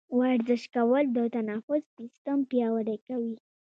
ورزش کول د تنفس سیستم پیاوړی کوي.